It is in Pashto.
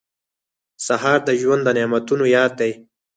سهار د ژوند د نعمتونو یاد دی.